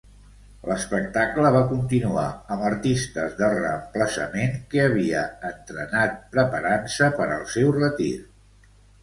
L'espectacle va continuar amb artistes de reemplaçament que havia entrenat preparant-se per al seu retir.